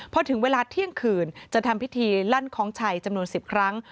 พอถึงเวลาเที่ยงคืนจะทำพิธีลั่นคล้องชัยจำนวน๑๐ครั้ง